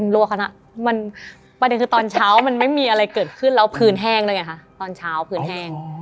ประเด็นคือตอนเช้ามันไม่มีอะไรเกิดขึ้นแล้วพื้นแห้งแล้วไงคะตอนเช้าพื้นแห้ง